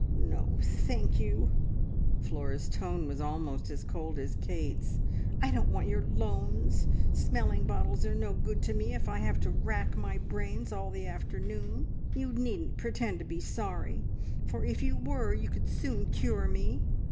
"No, thank you!" Flora's tone was almost as cold as Kate's. "I don't want your loans. Smelling bottles are no good to me if I have to rack my brains all the afternoon. You needn't pretend to be sorry, for if you were you could soon cure me.